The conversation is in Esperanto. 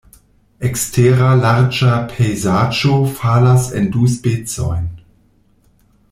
Ekstera larĝa pejzaĝo falas en du specojn.